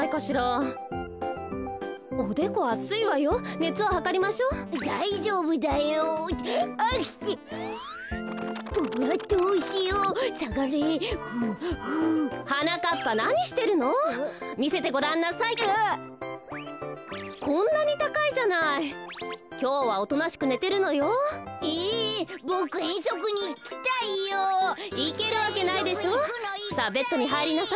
さあベッドにはいりなさい。